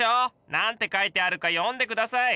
何て書いてあるか読んで下さい。